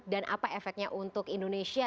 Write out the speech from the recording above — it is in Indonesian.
dan apa efeknya untuk indonesia